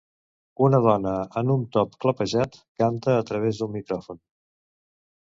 Una dona en un top clapejat canta a través d'un micròfon.